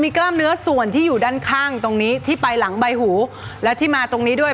กล้ามเนื้อส่วนที่อยู่ด้านข้างตรงนี้ที่ไปหลังใบหูและที่มาตรงนี้ด้วย